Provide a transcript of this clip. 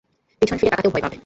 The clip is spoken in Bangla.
পিছন ফিরে তাকাতেও ভয় পাবে।